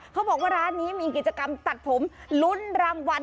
เขาบอกว่าร้านนี้มีกิจกรรมตัดผมลุ้นรางวัล